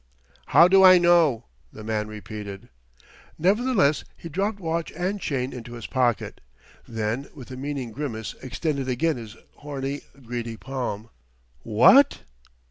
"How do I know?" the man repeated. Nevertheless he dropped watch and chain into his pocket, then with a meaning grimace extended again his horny, greedy palm. "What...?"